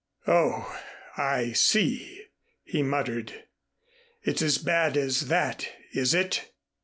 "Oh, I see," he muttered. "It's as bad as that, is it?